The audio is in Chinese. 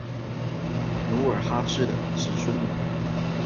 努尔哈赤的侄孙女。